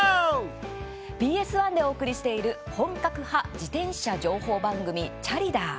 ＢＳ１でお送りしている本格派自転車情報番組「チャリダー★」。